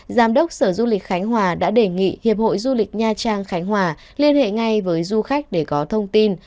giám đốc sở du lịch khánh hòa đã đề nghị hiệp hội du lịch nha trang khánh hòa liên hệ ngay với du khách để có thông tin